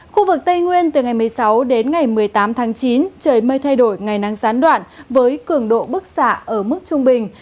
khu vực tây nguyên từ ngày một mươi sáu đến ngày một mươi tám tháng chín trời mây thay đổi ngày nắng gián đoạn với cường độ bức xạ ở mức trung bình